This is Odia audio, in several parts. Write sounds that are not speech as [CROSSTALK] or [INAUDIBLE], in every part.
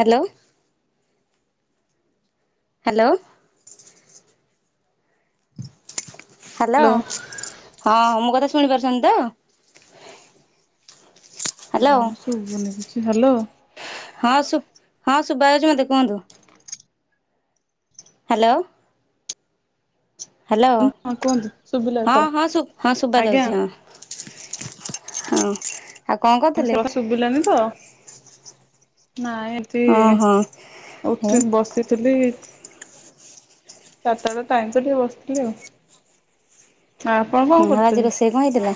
ହାଲୋଲୋ। ହାଲୋ। ହାଲୋ! ହ୍ୟାଲୋ ହଁ, ମୋ କଥା ଶୁଣିପାରୁଛନ୍ତି ତ? ଆ ହ୍ୟାଲୋ କଣ ଶୁବୁନି କିଛି, ହାଲୋ। ହଁ ଶୁ ହଁ ଶୁଭାଯାଉଛି ମୋତେ, କୁହନ୍ତୁ। ହ୍ୟାଲୋ! ହ୍ୟାଲୋଁ! ହଁ କୁହନ୍ତୁ ଶୁଭିଲା ହଁ ଏଥର ହଁ ହଁ ସୁବା ଆଜ୍ଞା ଯାଉଛି ହଁ। ହଁ। ଆଉ କଣ କରୁଥିଲେ? [UNINTELLIGIBLE] ଶୁଭିଲାନି ତ? ନାଇଁ ଏଠି ହଁ ହଁ ହେ ଉଠି ବସିଥିଲି। ଚାର ଟାରେ ଟାଇମ୍ ତ ଟିକେ ବସଥିଲି ଆଉ। ଆପଣ ହଁ କଣ ଆଉ ଆଜି କରୁତନି? ରୋଷେଇ କଣ ହେଇଥିଲା?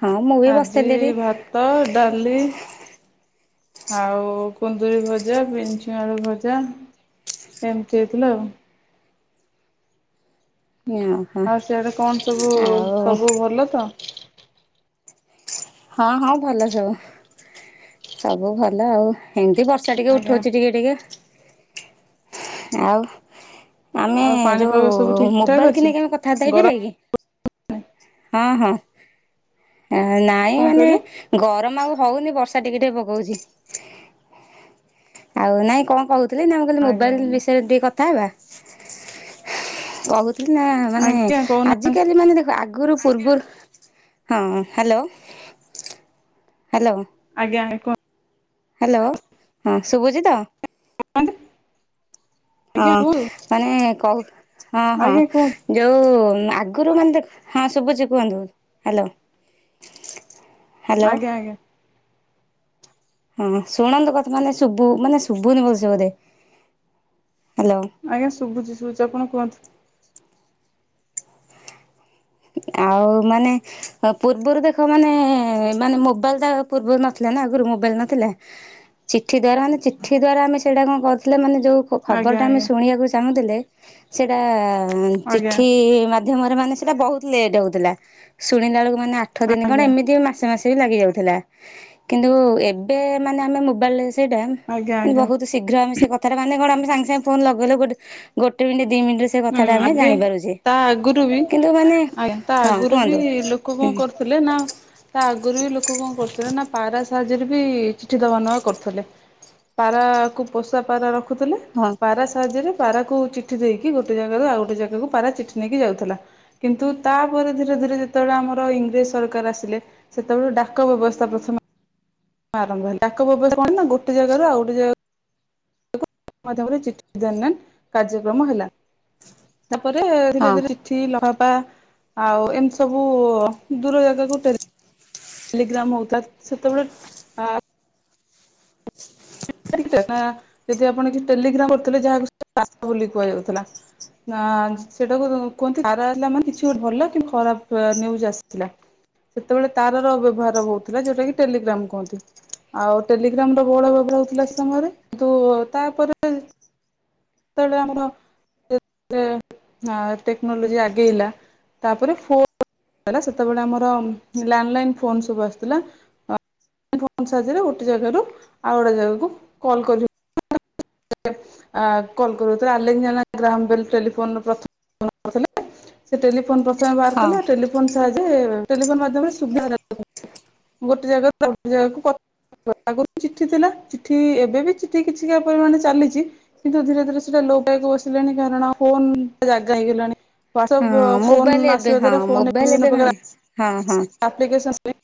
ହଁ ମୁଁ ବି ଆଜି ବସିଥିଲି ଏଠି ଭାତ, ଡାଲି ଆଉ କୁନ୍ଦୁରି ଭଜା, ବିନ୍ ଛୁଇଁ ଆଳୁ ଭଜା ଏମିତି ହେଇଥିଲା ଆଉ। ଓହୋ ଆଉ ସିଆଡେ କଣ ସବୁ, ଆଉ ସବୁ ଭଲ ତ? ହଁ ହଁ ଭଲ ସବୁ, ସବୁ ଭଲ ଆଉ ହେମତି ବର୍ଷା ଟିକେ ଆଜ୍ଞା ଉଠଉଛି ଟିକେ ଟିକେ ଆଉ ଆମେ ଆଉ ପାଣିପାଗ ସବୁ ଯୋଉ ଠିକ ଠାକ ମୋବାଇଲ ଅଛି ଥିଲେ କେବେ କଥାବାର୍ତା ଗରମ ହେଇପାରିବା କି? ହଁ ହଁ ନାଇଁ କଣ ମାନେ କହିଲେ ଗରମ ଆଉ ହଉନି। ବର୍ଷା ଟିକେ ଟିକେ ପକଉଛି, ଆଉ ନାଇଁ କଣ କହୁ ଥିଲି ମୁଁ କହିଲି ନା ଆଜ୍ଞା ମୋବାଇଲ ଆଜ୍ଞା ବିଷୟରେ ଟିକେ କଥା ହେବା। ବହୁତ ନା ମାନେ ଆଜ୍ଞା କହୁନାହାନ୍ତି ଆଜିକାଲି ମାନେ ଦେଖ। ଆଗ ଗୁରୁ ପୂର୍ବୁରୁ ହଁ ହାଲୋ ହାଲୋ। ଆଜ୍ଞା ଏକ ହାଲୋ ହଁ ଶୁଭୁଚି ତ? ବନ୍ଦ୍। ହଁ ମାନେ କହୁ ହଁ ହଁ ଆଜ୍ଞା କୁହନ୍ତୁ ଯୋଉ। ଆଗରୁ ମାନେ ଦେ ହଁ ଶୁଭୁଛି କୁହନ୍ତୁ ହାଲୋ। ଆଜ୍ଞା ଆଜ୍ଞା। ହଁ ଶୁଣନ୍ତୁ ବତ ମାନେ ଶୁଭୁ ମାନେ ଶୁଭୁନି ଭଲସ ବୋଧେ [UNINTELLIGIBLE] ଆଜ୍ଞା ଶୁଭୁଛି ଶୁଭୁଛି ଆପଣ କୁହନ୍ତୁ। ଆଉ ମାନେ ଅ ପୂର୍ବରୁ ଦେଖ ମାନେ ମାନେ ମୋବାଇଲ ଟା ପୂର୍ବରୁ ନଥିଲା ନା ଆଗରୁ ମୋବାଇଲ ନଥିଲା ଚିଠି ଦ୍ଵାରା ମାନେ ଚିଠି ଦ୍ଵାରା ଆମେ ସେଇଟା କଣ କରୁଥିଲେ ମାନେ ଯୋଉ ଆଜ୍ଞା ଖ-ଖବରଟା ଆମେ ଆଜ୍ଞା ଶୁଣିବାକୁ ଚାହୁଁଥିଲେ ସେଟା ଉଁ ଆଜ୍ଞା ଚିଠି ମା ମାଧ୍ୟମରେ ମାନେ ସେଟା ବହୁତ ଲେଟ୍ ହଉଥିଲା ଶୁଣିଲା ବେଳକୁ ମାନେ ଆଠ ଦିନି ଖଣ୍ଡେ ଆଜ୍ଞା ଏମିତି ମାସେ ମାସେ ସେ ବି ଲାଗିଯାଉଥିଲା କିନ୍ତୁ ଏବେ ମାନେ ଆମେ ମୋବାଇଲ ରେ ସେଇଟା ଆଜ୍ଞା ମାନେ ବହୁତ ଆଜ୍ଞା ଶୀଘ୍ର ଆମେ ସେ କଥାଟା ମାନେ କଣ ଆମେ ସାଙ୍ଗେ ସାଙ୍ଗେ ଫୋନ ଲଗେଇଲ ଗୋଟେ ଗୋଟେ ମିନିଟ୍ ଦି ମିଣ୍ଟି ରେ ସେ ହୁଁ କଥା ଟା ଆମେ ଆଗେ ଜାଣି ପାରୁଛେ ତା ଆଗରୁ ବି କିନ୍ତୁ ମାନେ। ଆଜ୍ଞା ତା ହଁ ଆଗରୁ ବି କୁହନ୍ତୁ ଲୋକ କଣ ହୁଁ କରୁଥିଲେ ନା ତା ଆଗରୁ ବି ଲୋକ କଣ କରୁଥିଲେ ନା ପାରା ସା ସାହାଯ୍ୟରେ ବି ଚିଠି ଦବା ନବା କରୁଥିଲେ ପାରାକୁ ପୋଷା ପାରା ଲେଖୁଥିଲେ ହଁ ପାରା ସାହାଯ୍ୟରେ ପାରା କୁ ଚିଠି ଦେଇ କି ଗୋଟେ ଜାଗାରୁ ଆଉ ଗୋଟେ ଜାଗା କୁ ପାରା ଚିଠି ନେଇକି ଯାଉଥିଲା କିନ୍ତୁ ତା ପରେ ଧିରେ ଧିରେ ଯେତେବେଳେ ଆମର ସରକାର ଆସିଲେ ସେତେବେଳ ଡାକ ବ୍ୟବସ୍ଥା ପ୍ରଥମେ ଆରମ୍ଭ ହେଲେ ତାଙ୍କ ପପଜ୍ କଣ ନା ଗୋଟେ ଜାଗାରୁ ଆଉ ଗୋଟେ ଜାଗା। ମାଧ୍ୟମରେ ଚିଠି [INAUDIBLE] କାର୍ଯ୍ୟକ୍ରମ ହେଲା। ତାପରେ ଧୀରେ ହଁ ଧୀରେ ଚିଠି ଲଫ ପା ଆଉ ଏମିତି ସବୁ-ଉ ଦୂର ଜାଗାକୁ ଟେର ଲିଗ୍ରାମ ହଉଥିଲା ସେତେବେଳେ ଆ [INAUDIBLE] ନା ଯଦି ଆପଣ କିଛି ଟେଲିଗ୍ରାମ କରୁଥିଲେ, ଯାହାକୁ [UNINTELLIGIBLE] କୁହାଯାଉଥିଲା। ନା ସେଟାକୁ କୁହନ୍ତି ଆରା ହେଲା ମାନେ, କିଛି ଗୋଟେ ଭଲ କି ଖରାପ ନ୍ୟୁଜ୍ ଆସିଥିଲା। ସେତେବେଳେ ତାର ର ବ୍ୟବହାର ହଉଥିଲା, ଯୋଉଟା କି ଟେଲିଗ୍ରାମ କୁହନ୍ତି। ଆଉ ଟେଲିଗ୍ରାମର ବହୁଳ ବ୍ୟଭାହଉଥି ଥିଲା ସମୟରେ କିନ୍ତୁ, ତାପରେ ଯତେବେଳେ ଆମର ହଁ ଟେକ୍ନୋଲୋଜି ଆଗେଇଲା। ତାପରେ ଫୋ ହେଲା। ସେତେବେଳେ ଆମର ଲ୍ୟାଣ୍ଡଲାଇନ୍ ଫୋନ ସବୁ ଆସୁଥିଲା। ଫୋନ୍ ସାହାଯ୍ୟରେ ଗୋଟେ ଜାଗାରୁ ଆଉ ଗୋଟେ ଜାଗାକୁ କଲ୍ କରିହ [INAUDIBLE] କଲ କରୁ। ଯେତେବେଳେ ଆଲେକଯାହାଗ୍ରାହାମ ଟେଲିଫୋନର ପ୍ରଥ [INAUDIBLE] ଟେଲିଫୋନ ପ୍ରଥମେ ବାହାର ହଁ କଲେ। ଟେଲିଫୋନ୍ ସାହା ଟେଲିଫୋନ ମାଧ୍ୟାମରେ ସୁବିଧା [INAUDIBLE] ଗୋଟେ ଜାଗାକୁ ଆଉ ଗୋଟେ ଜାଗାକୁ କ ଗ ଚିଠି ଥିଲା, ଚିଠି ଏବେ ବି ଚିଠି କିଛିଟା ପରିମାଣ ଚାଲିଛି, କିନ୍ତୁ ଧୀରେ ଧୀରେ ସେଟା ଲୋକପାଇବାକୁ ବସିଲାଣି କାରଣ ଫୋନ ଯାଗା ହେଇଗଲାଣି। ହଁ ୱାଟସପ ଫୋନ୍ ମୋବାଇଲ ଏବେ ଆସିବା ହଁ ଦ୍ଵାରା, ଫୋନ ମୋବାଇଲ ଏବେ ବିଭିନ୍ନ ମାନେ ପ୍ରକାରର ଆପ ହଁ ହଁ ଆପ୍ଲିକେସନସ୍ ନାଇ।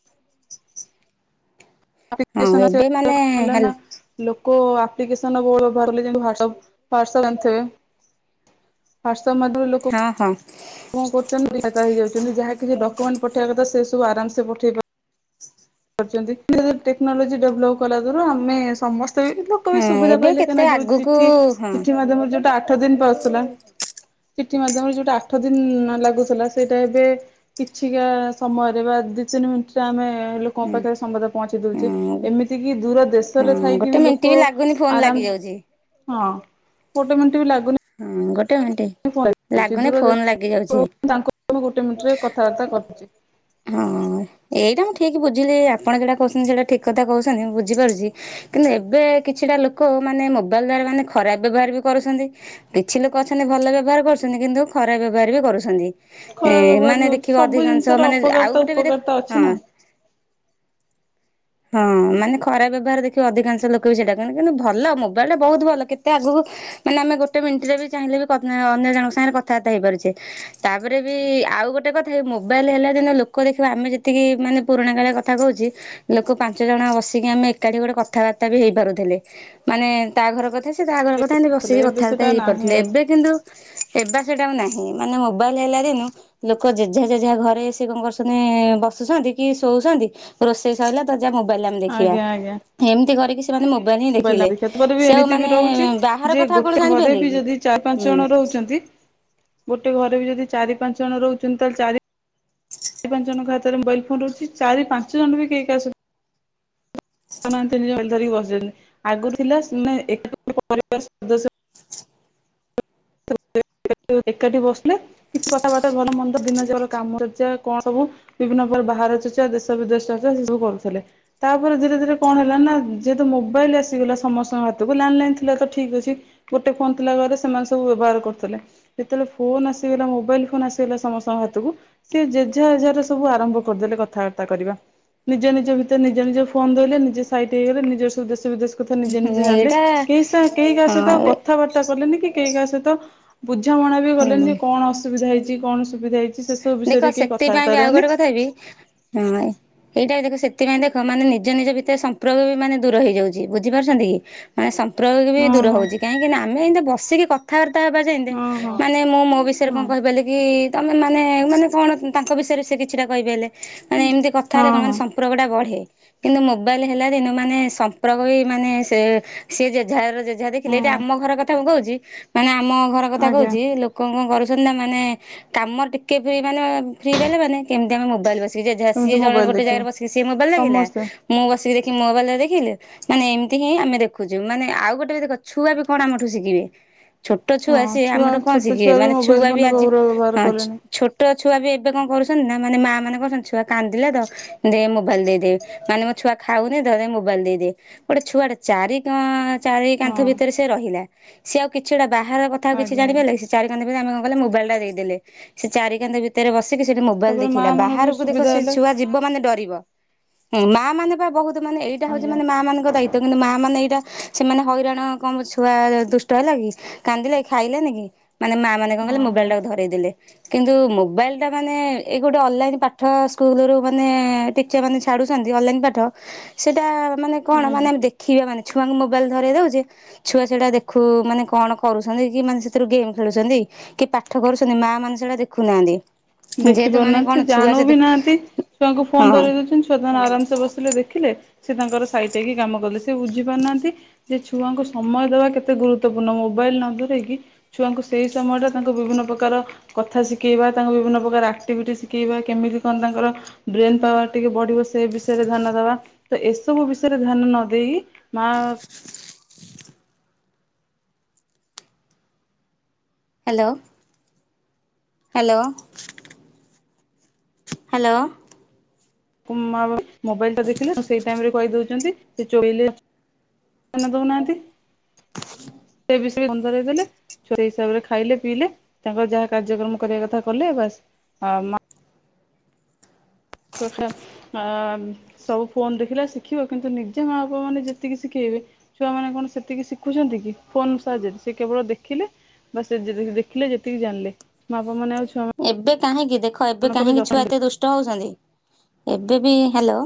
ହଁ ଏବେ ମାନେ ହେଲ [INAUDIBLE] କୋଉ ଆପ୍ଲିକେସନ ବୋଉର ଭରିଲେ ୱାଟସଆପ ଜାଣିଥିବେ। ୱାଟ୍ସଆପ ତମଦୁ ଲୋକ ହଁ ହଁ କଣ କରୁଛନ୍ତି? [UNINTELLIGIBLE] ହେଇଯାଉଛନ୍ତି ଯାହା କିଛି ଡକ୍ୟୁମେଣ୍ଟ ପଠେଇବା କଥା ସେ ସବୁ ଆରାମସେ ପଠେଇ ପା କରୁଛନ୍ତି କି ଟେକ୍ନୋଲୋଜି ଡେଭଲପ୍ କଲା ଦୁରୁ ଆମେ ସମ ଏତେବି ଲୋକ ବି ସୁବିଧା ଏବେ ପାଇଲେ କେତେ କାହିଁକିନା ଯୋଉ ଆଗକୁ ଚିଠି। ହଁ ଚିଠି ମାଧ୍ୟମରେ ଯୋଉଟା ଆଠ ଦିନ ପା ଆସୁଥିଲା ଚିଠି ମାଧ୍ୟମରେ ଯୋଉଟା ଆଠ ଦିନ ନ ଲାଗୁଥିଲା। ସେଇଟା ଏବେ କିଛିଟା ସମୟରେ ବା ଦି ତିନି ମିନିଟରେ ଆମେ ଲୋକଙ୍କ ହୁଁ ପାଖରେ ସମ୍ବାଦ ପହଞ୍ଚିଦଉଛେ। ହୁଁ ଏମିତି କିି ଦୂର ଦେଶ ଦେଶରେ ହଁ ଥାଇକି ଗୋଟେ ବି ମିନିଟ୍ ଲୋକ ଲାଗୁନି ଫୋନ ଲାଗି ଯାଉଛି ଆରାମ ହଁ ଗୋଟେ ମିନିଟ ବି ଲାଗ ଟେଁ ଟେଁ। [INAUDIBLE] ଗୋଟେ ମିନିଟରେ କଥାବାର୍ତ୍ତା କରିପାରୁଛି। ହଁ ଏଇଟା ମୁଁ ଠିକ୍ ବୁଝିଲି, ଆପଣ ଯଉଟା କହୁଛନ୍ତି ସେଟା ଠିକ୍ କଥା କହୁଛନ୍ତି, ମୁଁ ବୁଝିପାରୁଛି କିନ୍ତୁ ଏବେ କିଛିଟା ଲୋକ ମାନେ ମୋବାଇଲ ଦ୍ଵାରା ମାନେ ଖରାପ ବ୍ୟବହାର ବି କରୁଛନ୍ତି କିଛି ଲୋକ ଅଛନ୍ତି ଭଲ ବେଭାର କରୁଛନ୍ତି କିନ୍ତୁ ଖରାପ ବ୍ୟବହାର ବି କରୁଛନ୍ତି ଖରାପ ବ୍ୟବହାର ମାନେ ଦେଖ ହଉଛି ସବୁ ଅଧିକାଂଶ ଜିନିଷର ମାନେ ଆଉ ଅପକାରିତା ଗୋଟେ ବି ଦେଖ ଉପକାରିତା ଅଛି ନା। ହଁ। ହଁ ମାନେ ଖରାପ ବ୍ୟବହାର ଦେଖିବ ଅଧିକାଂଶ ଲୋକ ବି ସେଇଟା କନ୍ତି କିନ୍ତୁ ଭଲ ମୋବାଇଲ ଟା ବହୁତ ଭଲ କେତେ ଆଗକୁ ମାନେ ଆମେ ଗୋଟେ ମିନିଟରେ ବି ଚାହିଁଲେ ବି ଅନ୍ୟ ଜଣଙ୍କ ସାଙ୍ଗରେ କଥାବାର୍ତା ହେଇ ପାରୁଛେ ତାପରେ ବି ଆଉ ଗୋଟେ କଥା ମୋବାଇଲ ହେଲା ଦିନ ଲୋକ ଦେଖିବା ଆମେ ଯେତିକି ମାନେ ପୁରୁଣା କାଳିଆ କଥା କହୁଚି ଲୋକ ପାଞ୍ଚ ଜଣ ବସିକି ଆମେ ଏକାଠି ଗୋଟେ କଥାବାର୍ତ୍ତା ବି ହେଇପାରୁଥିଲେ ମାନେ ତା ଘର କଥା ସେ ତା ଘର ଥିଲେ ବସିକି ଏବେ କଥାବାର୍ତ୍ତା ସେଟା ନାହିଁ ହେଇପାରୁଥିଲେ ଆଉ ଏବେ କିନ୍ତୁ ଏବା ସେଟା ଆଉ ନାହିଁ ମାନେ ମୋବାଇଲ ହେଲା ଦିନୁ ଲୋକ ଜେଝା ଜେଝହା ଘରେ ସେ କଣ କରୁଛନ୍ତି ବସୁଛନ୍ତି କି ଶୋଉଛନ୍ତି ରୋଷେଇ ସରିଲା ତ ଯା ମୋବାଇଲରେ ଆମେ ଦେଖିବା। ଆଜ୍ଞା ଆଜ୍ଞା। ଏମିତି କରିକି ସେମାନେ ମୋବାଇଲ ହିଁ ଦେଖିଲେ ପରେ ବି ସେ ଆଉ ଏମିତି ବି ମାନେ ରହୁଛି ବାହାର ଯେ କଥା ଆଉ ଗୋଟେ କଣ ଘରେ ଜାଣିପାରଲେ ବି କି? ଯଦି ଚାରି ପାଞ୍ଚ ହୁଁ। ଜଣ ରହୁଚନ୍ତି। [INAUDIBLE] ଗୋଟେ ଘରେ ବି ଯଦି ଚାରି ପାଞ୍ଚ ଜଣ ରହୁଛନ୍ତି ତାହେଲେ ଚାରି ଚାରି ପାଞ୍ଚ ଜଣଙ୍କ ହାତରେ ମୋବାଇଲ ଫୋନ ରହୁଛି ଚାରି ପାଞ୍ଚ ଜଣ ବି କେହି କାହା ସହ ଧରିକି ବସିଛନ୍ତି ଆଗରୁ ଥିଲା ସେ ଏକ ପରିବାର ସଦସ୍ୟ ଏକାଠି ବସିଲେ କିଛି କଥାବାର୍ତ୍ତା ଭଲ ମନ୍ଦ ଦିନ ଯାକର କାମ ଚର୍ଚ୍ଚା କଣ ସବୁ ବିଭିନ୍ନ ପ୍ରକାର ବାହାରେ ଚର୍ଚ୍ଚା ଦେଶ ବିଦେଶ ଚର୍ଚ୍ଚା ସେ ସବୁ କରୁଥିଲେ। ତାପରେ ଧୀରେ ଧୀରେ କଣ ହେଲା ନା ଯେହେତୁ ମୋବାଇଲ ଆସିଗଲା ସମସ୍ତଙ୍କ ହାତକୁ ଲାଣ୍ଡଲାଇନ ଥିଲା ତ ଠିକ୍ ଅଛି ଗୋଟେ ଫୋନ ଥିଲା ଘରେ ସେମାନେ ସବୁ ବ୍ୟବହାର କରୁଥିଲେ, ଯେତେବେଳେ ଫୋନ୍ ଆସିଗଲା ମୋବାଇଲ ଫୋନ ଆସିଗଲା ସମସ୍ତଙ୍କ ହାତକୁ ସେ ଜେଜା ଜେଜା ର ସବୁ ଆରମ୍ଭ କରିଦେଲେ କଥାବାର୍ତ୍ତା କରିବା ନିଜ ନିଜ ଭିତରେ ନିଜ ନିଜ ଫୋନ ଧରିଲେ। ନିଜେ ସାଇଟ ହେଇଜ ଲେ ନିଜ ସବୁ ଦେଶ ବିଦେଶ କଥା ନିଜେ ହୁଁ ନିଜେ ଜାଣିଲେ ଏଇଟା କେହି କାହା ସହିତ ହଁ କଥାବାର୍ତ୍ତା କଲେନି କି କେହି କାହା ସହିତ ବୁଝାମଣା ବି କଲେ ହୁଁ। ଯେ କଣ ଅସୁବିଧା ହେଇଛି କଣ ସୁବି ଦେଖ ସେଥିପାଇଁ ବି ଆଉ ଗୋଟେ କଥା ବି ହଁ ଏଇଟା ବି ଦେଖ ସେଥିପାଇଁ ଦେଖ ମାନେ ନିଜ ନିଜ ଭିତରେ ସମ୍ପର୍କ ବି ମାନେ ଦୂର ହେଇଯାଉଛି ବୁଝିପାରୁଛନ୍ତି କି ମାନେ ସମ୍ପକ୍ରଙ୍ଗ ଉପୟୋଗ ବି ହଁ ଦୂର ହଁ ହଉଛି କାହିଁକି ନା ଆମେ ଏମିତି ବସିକି କଥାବାର୍ତ୍ତା ହେବା ଯେଏତି ହଁ ହଁ ମାନେ ମୁଁ ମୋ ବିଷୟରେ ହଁ କଣ- କହିପାରିଲେ କି ତମେ ମାନେ ମାନେ କଣ ତାଙ୍କ ବିଷୟରେ ସେ କିଛିଟା କହିପାରିଲେ। ମାନେ ଏମିତି କଥା ହଁ ହେଲେ କଣ ମାନ ହଁ ସମ୍ପର୍କ ଟା ଗଢେ କିନ୍ତୁ ମୋବାଇଲ ହେଲା ଦିନ ମାନେ ସମ୍ପର୍କ ବି ମାନେ ସେ ସି ଜେ ଜେ ଦେଖିଲେ ଏଇଟି ହଁ ଆମ ଘର କଥା ମୁଁ କହୁଛି ମାନେ ଆମ ଘର କଥା ଆଜ୍ଞା କହୁଛି ଲୋକ କଣ କରୁଛନ୍ତି ନା ମାନେ କାମ ଟିକେ ମାନେ ଫ୍ରି ବାଲେ ମାନେଫ୍ରି ଦେଲେ ମାନେ ଏହି କେମିତି ଆମେ ମୋବାଇଲ ଯିଏ ଯେଝା ସେମିତି ସିଏ ଜଣେ ମୋବାଇଲ ଗୋଟେ ଦେଖିବ ଜାଗାରେ ବସିକି ସିଏ ମୋବାଇଲ୍ ଦେଖିଲା ସମସ୍ତେ। ମୁଁ ବସିକି ଦେ କି ମୋବାଇଲରେ ଦେଖିଲେ ମାନେ ଏମିତି ହିଁ ଆମେ ଦେଖୁଛୁ ମାନେ ଆଉ ଗୋଟେ ବି ଦେଖ ଛୁଆ ବି କଣ ଆମଠୁ ଶିଖିବେ। ଛୋଟ ହଁ ଛୁଆ ସିଏ ଆମରଠୁ କଣ ଛୋଟ ଶିଖିବେ ବି ମାନେ ମୋବାଇଲ ଛୁଆ ବି ଫୋନ ଆଜି ବହୁଳ ବ୍ୟବହାର ହଁ କଲେଣି ଛୋଟ ଛୁଆ ବି ଏବେ କଣ କରୁଛନ୍ତି ନା ମାନେ ମା ମାନେ କଣଛନ୍ତି ଛୁଆ କାନ୍ଦିଲା ତ ମୋବାଇଲ ଦେଇଦେବେ ମାନେ ମୋ ଛୁଆ ଖାଉନି ଧରେ ମୋବାଇଲ ଦେଇଦିଏ ଗୋଟେ ଛୁଆ ଟା ଚାରି ପାଆ ଚାରି କାନ୍ଥ ହଁ। ଭିତରେ ସେ ରହିଲା ସିଏ ଆଉ କିଛିଟା ବାହାର କଥା ଆଉ କିଛି ଆଜ୍ଞା ଜାଣପାରିଲ କି ସେ ଚାରି କନ୍ଥ ଭିତରେ ଆମେ ମାନେ ମୋବାଇଲ ଟା ଦେଇଦେଲେ ସେ ଚାରିକାନ୍ଥ ଭିତରେ ବସି ସେଠି ମୋବାଇଲ ତାପରେ ମା ଦେଖିଲା ମାନଙ୍କୁ ବି ବାହାରକୁ ଦେଖ ସୁବିଧା ସେ ହେଲେ ଛୁଆ ଯିବ ମାନେ ଡରିବ ମା ମାନେ ପା ବହୁତ ମାନେ ଏଇଟା ହଉଛି ଆଜ୍ଞା ମାନେ ମା ମଙ୍କ ଦାୟିତଵ କିନ୍ତୁ ମା ମାନେ ଏଇଟା ସେମାନେ ହଇରାଣ କଁମ ଛୁଆ ଦୁଷ୍ଟ ହେଲା କି କାନ୍ଦିଲା କି ଖାଇଲାନି କି। ମାନେ ମା କଣ ହଁ କଲେ ହଁ ମୋବଲଟାକୁ ଧରେଇ ଦେଲେ। କିନ୍ତୁ ମୋବାଇଲ ଟା ମାନେ ଏ ଗୋଟେ ଅନଲାଇ ପାଠ ସ୍କୁଲୁ ମାନେ ଟିଚର ମାନେ ଛାଡୁ ଅନଲାଇନ୍ ପାଠ ସେଇଟା ମାନେ କଣ ମାନେ ଆଜ୍ଞା। ଦେଖେଇ ହବା ନୀତି। ଛୁଆଙ୍କୁ ମୋବାଇଲ ଧରାଇ ଦେଉଛେ ଛୁଆ ସେଇଟା ଦେଖୁ ମାନେ କଣ କରୁଛନ୍ତି କି ମାନେ ସେଥିରୁ ଗେମ୍ ଖେଳୁଛନ୍ତି। କି ପାଠ କରୁଛନ୍ତି ମା ମାନେ ସେଇଟା ଦେଖୁନାହାନ୍ତି। ଦେଖି ଯେହେତୁ ମାନେ କଣ ପାରୁନାହାନ୍ତି ଛୁଆ ଜାଣୁ ସେତେ ବି ନାହାନ୍ତି ଛୁଆଙ୍କୁ ହଁ ଫୋନ ଧରେଇ ଦଉଛନ୍ତି ଛୁଆ ତାଙ୍କର ଆରାମସେ ବସିଲେ ଦେଖିଲେ। ସିଏ ତାଙ୍କର ସାଇଟ୍ ହେଇକି କାମ କଲେ ସିଏ ବୁଝି ପାରୁନାହାନ୍ତି ଯେ ଛୁଆଙ୍କୁ ସମୟ ଦେବା କେତେ ଗୁରୁତ୍ୱପୂର୍ଣ୍ଣ ମୋ ମୋବାଇଲ ନ ଧରକି ଛୁଆଙ୍କୁ ସେଇ ସମୟଟା ତାଙ୍କୁ ବିଭିନ୍ନ ପ୍ରକାର କଥା ଶିଖେଇବା ତାକୁ ବିଭିନ୍ନ ପ୍ରକାର ଆକ୍ଟିଭିଟି ଶିକେଇ କେମିତି କଣ ତାଙ୍କର ବ୍ରେନ ପାୱାର ଟିକେ ବଢିବ ସେ ବିଷୟରେ ଧ୍ୟାନ ଦବା। ତ ଏସବୁ ବିଷୟରେ ଧ୍ୟାନ ନ ଦେଇ ମା ହ୍ୟାଲୋ। Hello hello. କୁ ମାଆ ମୋବାଇଲ ଟା ଦେଖିଲେ ଉଁ ସେଇ ଟାଇମ୍ କହିଉ ଚନ୍ତି ସେ ଚୋଇଲେ ଧ୍ୟାନ ଦଉନାହାନ୍ତି। ଏ ବିଷୟରେ [UNINTELLIGIBLE] ଦେଇଦେଲେ ଛୁ ସେହି ହିସାବରେ ଖାଇଲେ ପିଇଲେ ତାଙ୍କର ଯାହା କାର୍ଯ୍ୟକ୍ରମ କରିବା କଥା କଲେ ବାସ୍। ଆ ମା ଛୁଆ ଖା ଆ ସବୁ ଫୋନ ଦେଖିଲା ଶିଖିବ କିନ୍ତୁ ନିଜେ ମା ବାପା ମାନେ ଯେତିକି ଶିକେଇ ଛୁଆମାନେ କଣ ସେତିକି ଶିଖୁଚନ୍ତି କି ଫୋନ ସାହାଯ୍ୟରେ। ସେ କେବଳ ଦେଖିଲେ ବା ସେ ଯେ-ଯେ ଦେଖିଲେ ଯେତିକି ଜାଣିଲେ ମା ବାପା ମାନେ ଆଉ ଛୁଆ ଏବେ କାହିଁକି ଦେଖ ଏବେ ମାନଙ୍କର କାହିଁକି ଛୁଆ ଯତ୍ନ ଏତେ ଦୁଷ୍ଟ ହଉଚନ୍ତି? ଏବେ ବି ହ୍ୟାଲୋ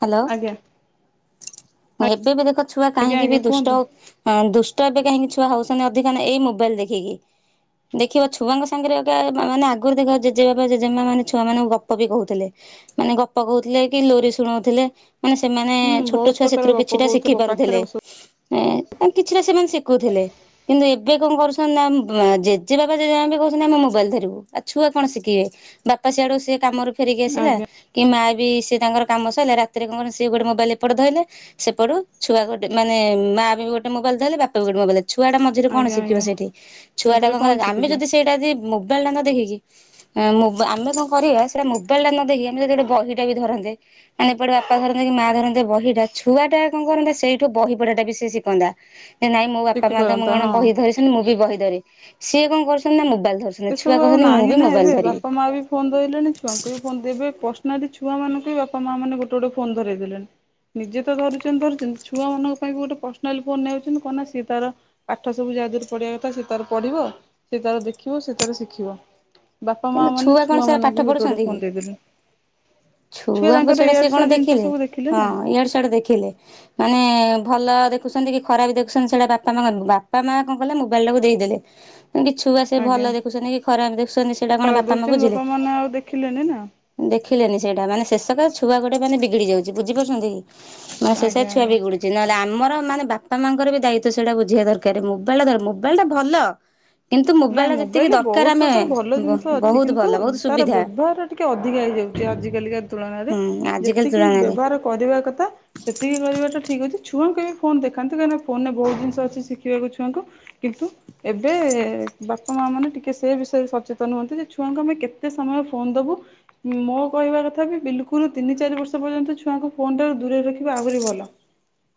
ହ୍ୟାଲୋ। ଆଜ୍ଞା ଏବେ ବି ଦେଖ ଛୁଆ ଆଜ୍ଞା କାହିଁକି ବି ଆଜ୍ଞା ଦୁଷ୍ଟ କୁହନ୍ତୁ ଅଁ ଦୁସ୍ ତ ଏବେ କାହିଁକି ଛୁଆ ହଉଚନ୍ତିି ଅଧୀକନା ଏଇ ମୋବାଇଲ ଦେଖିକି। ଦେଖିବ ଛୁ ଛୁଆଙ୍କ ସାଙ୍ଗରେ ଅଇକା ମାନେ ଆଗରୁ ଦେଖ ଜେଜେବାପା ଜେଜେମା ମାନେ ଛୁଆ ମାନଙ୍କୁ ଗପ ବି କହୁଥିଲେ। ମାନେ ଗପ ପକଉଥିଲେ କି ଲୋରି ଶୁଣଉଥିଲେ। ମାନେ ସେମାନେ ହୁଁ ଛୋଟ ବହୁତ ଛୁଆ ସେଥିରୁ ପ୍ରକାର ଗପ କିଛିଟା ଶିଖି କହୁଥିବ ପାଖରେ ପାରୁଥିଲେ। ବସ ଏଁ ତାଙ୍କ କିଛିଟା ସେମାନେ ଶିକୁଥିଲେ କିନ୍ତୁ ଏବେ କଣ କରୁଛନ୍ତି ନା ବା ଜେଜେବାପା ଏ ଆମେ କହୁଛନ୍ତି ଆମେ ମୋବାଇଲ ଧରିବୁ, ଆ ଛୁଆ କଣ ଶିଖିବେ ବାପା ସିଆଡ଼ୁ ସେ କାମରୁ ଫେରିକି ଆସିଲା ଆଜ୍ଞା କି ମା ବି ସିଏ ତାଙ୍କର କାମ ସରିଲା ରାତିରେ କଣ କନି ସିଏ ଗୋଟେ ମୋବାଇଲ ଏପଟୁ ଧଇଲେ, ସେପଟୁ ଛୁଆ ଗୋଟେ ମାନେ ମା ବି ଗୋଟେ ମୋବାଇଲ ଧଇଲେ ବାପା ବି ଗୋଟେ ମୋବାଇଲ ଛୁଆଟା ମଝୀରେ କଣ ଆଜ୍ଞା ଶିଖିବ ଆଜ୍ଞା ସେଠି, ଛୁଆ ମଝିରେ କଣ କଲା ଆମେ ଶିଖୁଛ ଯଦି ସେଇଟା ଯି ମୋବାଇଲ ଟା ଦେଖିକି, ମୋ ଆମେ କଣ କରିବା ସେଇଟା ମୋବାଇଲ ଟା ନ ଦେଖିକି ଆମେ ଯଦି ଗୋଟେ ବହି ଟା ବି ଧରନ୍ତେ ମାନେ ଏପଟେ ବାପା ଧରନ୍ତେ କି ମା ଧରନ୍ତେ ବହିଟା ଛୁଆ ଟା କଣ କରନ୍ତା ସେଇଠୁ ବହି ପଢାଟା ବି ସେ ଶିଖନ୍ତା। ଯେ ନାଇଁ ମୋ ବାପା ମା ତ ଶିଖିପାରନ୍ତା କଣ ହଁ ବହି ଧରିଛନ୍ତି, ମୁଁ ବି ବହି ଧରେ ସିଏ କଣ କରୁଛନ୍ତି ନା ମୋବାଇଲ ଧରୁଛନ୍ତି ସେସବୁ ଛୁଆ ଆଉ କହୁଛନ୍ତି ମୁଁ ନାହିଁ ବି ନା ମୋବାଇଲ ଏବେ ଧରିବି। ବାପା ମା ବି ଫୋନ ଧଇଲେଣି ଛୁଆଙ୍କୁ ବି ଫୋନ୍ ଦେବେ ପର୍ସନାଲି ଛୁଆମାନଙ୍କୁ ବି, ବାପା ମା ମାନେ ଗୋଟେ ଗୋଟେ ଫୋନ୍ ଧରେଇ ଦେଲେଣି। ନିଜେ ତ ଧରୁଛନ୍ତି ଧରୁଛନ୍ତି, ଛୁଆ ମାନଙ୍କ ପାଇଁ ଗୋଟେ ବି ପର୍ସନାଲି ଫୋନ ନେଇଆଉଛନ୍ତି କଣ ନା ସିଏ ତାର ପାଠ ସବୁ ଯାହା ତାରେ ପଢିବା କଥା ସେ ତାର ପଢିବ, ସେ ତାର ଦେଖିବ ସେ ତାର ଶିଖିବ। ବାପା ମା କିନ୍ତୁ ମାନେ କଣ ଛୁଆ ସେରା ପାଠ ମାନଙ୍କୁ ବି ଗୋଟେ ଗୋଟେ ପଢୁଛନ୍ତି କି? ଫୋନ୍ ଦେଇଦେଲେ। ଛୁଆ ଛୁଆଙ୍କୁ ତାଙ୍କର ସେଇଟା ସେ ଇଆଡୁ କଣ ସିଆଡୁ ଜିନିଷ ଦେଖିଲେ, ସବୁ ହଁ ନା ଇଆଡେ ସିଆଡେ ଦେଖିଲେ ମାନେ ଭଲ ଦେଖୁଛନ୍ତି କି ଖରାପ ଦେଖୁଛନ୍ତି ସେଇଟା ବାପା ମା ବାପା ମା କଣ କଲେ ମୋବାଇଲ ଟାକୁ ଦେଇଦେଲେ। କି ଛୁଆ ସେ ଭଲ ଆଜ୍ଞା। ଦେଖୁଛନ୍ତି କି ଖରାପ ଦେଖୁଛନ୍ତି ସେ ଖରାପ ଦେଖୁଛନ୍ତି ବାପା ମାନେ ଆଉ ଦେଖିଲେନି ନା। ଦେଖିଲେନି ସେଇଟା ମାନେ ସେ ସକାଶେ ଛୁଆ ଗୋଟେ ମାନେ ବିଗିଡ଼ି ଯାଉଛି ବୁଝି ପାରୁଛନ୍ତି କି। ମ ଶେଷ ଆଜ୍ଞା ଛୁଆ ଆଜ୍ଞା। ବିଗୁଡୁଛି ନହେଲେ ଆମ ଆମର ମାନେ ବାପା ମାଆଙ୍କର ବି ଦାୟିତ୍ଵ ସେଇଟା ବୁଝିବା ଦରକାର ମୋବାଇଲ ଟା ମୋବାଇଲ ଟା ଭଲ। କିନ୍ତୁ ନାଇଁ ମୋବାଇଲା ଯେତିକି ମୋବାଇଲରେ ଦରକାର ବହୁତ ଆମେ ପ୍ରକାର ଭଲ ଜିନିଷ ଅଛି ବହୁତ କିନ୍ତୁ ଭଲ ବହୁତ ତାର ସୁବିଧା। ବ୍ୟବହାର ଟିକେ ଅଧିକା ହେଇଯାଉଛି ଆଜି କାଲିକା ତୁଳନାରେ ହୁଁ ଯେତିକି ଆଜିକାଲି ତିକୀ ତୁଳନାରେ ବ୍ୟବହାର କରିବା କଥା ସେତିକି କରିବାଟା ଠିକ୍ ଅଛି। ଛୁଆଙ୍କୁ ବି ଫୋନ୍ ଦେଖାନ୍ତି, କାହିଁକିନା ଫୋନରେ ବହୁତ ଜିନିଷ ଅଛି ଶିଖିବାକୁ ଛୁଆଙ୍କୁ କିନ୍ତୁ ଏବେ ବାପା ମା ମାନେ ଟିକେ ସେ ବିଷୟରେ ସଚେତନ ହୁଅନ୍ତୁ ଯେ ଛୁଆଙ୍କୁ ଆମେ କେତେ ସମୟ ଫୋନ ଦବୁ ମ ମୋ କହିବା କଥା ବି ବିଲକୁଲ ତିନି ଚାରି ବର୍ଷ ପର୍ଯ୍ୟନ୍ତ, ଛୁଆଙ୍କୁ ଫୋନଠାରୁ ଦୂରଇରେ ରଖିବା ଆହୁରି ଭଲ। [INAUDIBLE]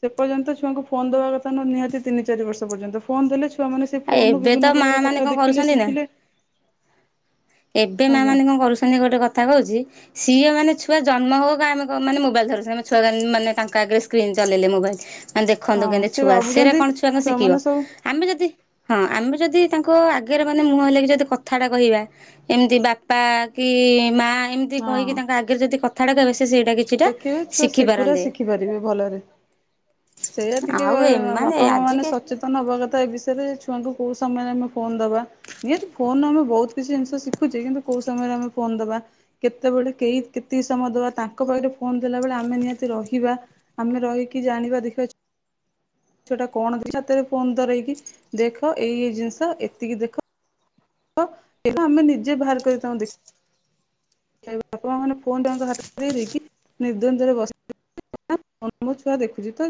ସେ ପର୍ଯ୍ୟନ୍ତ ଛୁଆଙ୍କୁ ଫୋନ୍ ଦେବା କଥା ନୁହେଁ, ନିହାତି ତିନି ଚାରି ବର୍ଷ ପର୍ଯ୍ୟନ୍ତ ଫୋନ୍ ଦେଲେ ଛୁଆ ମାନେ ସେ ଆଉ ଫୋନ୍ ରୁୁ ଏବେ ତ ବିଭିନ୍ନ ମା ପ୍ରକାର ମାନେ କଥା କଣ ଦେଖିଲେ କରୁଛନ୍ତି ନା ଶିଖିଲେ। ଏବେ ମା ଆଜ୍ଞା ମାନେ କଣ କରୁଛନ୍ତି, ଗୋଟେ କଥା କହୁଛି। ସିଏ ମାନେ ଛୁଆ ଜନ୍ମ ହଉ ହଉକା ଆମ ମାନେ କ ମୋବାଇଲ ଧରୁଛନ୍ତି, ଆମ ଛୁଆ ମାନେ ତାଙ୍କ ଆଗରେ ସ୍କ୍ରିନ୍ ଚଲେଇଲେ ମୋବାଇଲ। ମାନେ ଦେଖନ୍ତୁ, ହଁ କେମିତି ସେ ଛୁଆ ସେଇରା ଭାବୁଛନ୍ତି କଣ ଛୁଆଙ୍କ ଶିଖିବ, ଛୁଆମାନେ ସବୁ ଆମେ ଯଦି ହଁ ଆମେ ଯଦି ତାଙ୍କ ଆଗରେ ମାନେ -ମୁହଁ ହଲେକି ଯଦି କଥାଟା କହିବା। ଏମିତି ବାପା କି ମା ଏମିତି କହିକି, ହଁ ତାଙ୍କ ଆଗରେ ଯଦି କଥାଟା କହିବା ସେ ସେଇଟା କିଛିଟା ଦେଖିବେ ଛୁଆ ଶିଖି ସେଗୁରା ପାରନ୍ତେ ଶିଖି ପାରିବେ ଭଲରେ। ସେଇଆ ଟିକେ ଆଉ ଅ ଏମାନେ ବାପା ମା ମାନେ ଆଜିକାଲି ସଚେତନ ହବା କଥା ଏ ବିଷ ରେ ଛୁଆଙ୍କୁ କୋଉ ସମୟରେ ଆମେ ଫୋନ ଦବା। ନିହାତି ଫୋନ ଆମେ ବହୁତ କିଛି ଜିନିଷ ଶିଖୁଛେ, କିନ୍ତୁ କୋଉ ସମୟରେ ରେ ଫୋନ୍ ଦବା, କେତେବେଳେ କେଇ କେତିକି ସମୟ ଦବା ତା ତାଙ୍କ ପାଖରେ ଫୋନ ଦେଲା ବେଳେ ଆମେ ନିହାତି ରହିବା। ଆମେ ରହିକି ଜାଣିବା ଦେଖିବା ସେଟା କଣ ହାତରେ ଫୋନ୍ ଧରେଇକି ଦେଖ! ଏଇ ଏ ଜିନିଷ ଏତିକି ଦେଖ। ତ ଏହା ଆମେ ନିଜେ ବାହାର କରିଥାଉ ଦେଖ ବାପା ମା ମାନେ ଫୋନ୍ ତାଙ୍କ ହାତ ଦେଇ ଦେଇକି ନିର୍ଦନ୍ଦରେ ବସିଥି [UNINTELLIGIBLE] ମୋ ଛୁଆ ଦେଖୁଛି ତ।